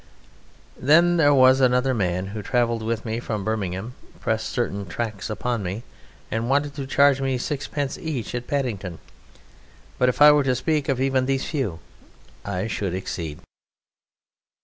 Then there was another man who travelled with me from Birmingham, pressed certain tracts upon me, and wanted to charge me sixpence each at Paddington. But if I were to speak of even these few I should exceed.